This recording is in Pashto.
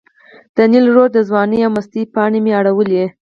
د نیل رود د ځوانۍ او مستۍ پاڼې مې اړولې.